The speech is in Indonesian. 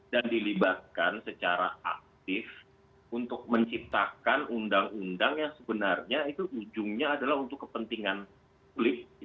dan dilibatkan secara aktif untuk menciptakan undang undang yang sebenarnya itu ujungnya adalah untuk kepentingan publik